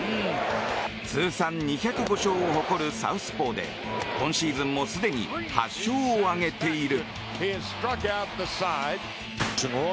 通算２０５勝を誇るサウスポーで今シーズンもすでに８勝を挙げている。